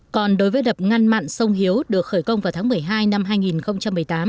còn đối với đập ngăn mặn sông hiếu được khởi công vào tháng một mươi hai năm hai nghìn một mươi tám